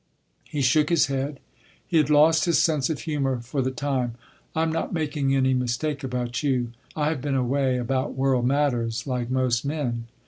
He shook his head. He had lost his sense of humour for the time. "I’m not making any mistake about you. I’ve been away about world matters like most men.